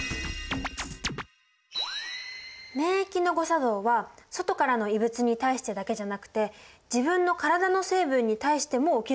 免疫の誤作動は外からの異物に対してだけじゃなくて自分の体の成分に対しても起きることがあるんだよ。